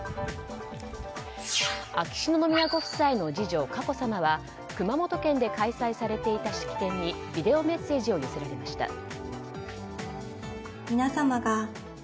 秋篠宮ご夫妻の次女・佳子さまは熊本県で開催されていた式典にビデオメッセージを寄せられました。